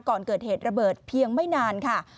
ก่อนเกิดเหตุระเบิดเพียงไม่นานค่ะ